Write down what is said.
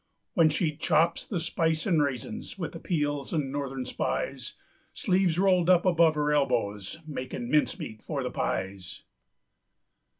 When she chops the spice an' raisins, With the peels an' Northern Spies, Sleeves rolled up above her elbows, Makin' mincemeat for the pies.